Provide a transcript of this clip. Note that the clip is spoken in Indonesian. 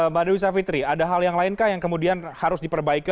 mbak dewi savitri ada hal yang lain kah yang kemudian harus diperbaiki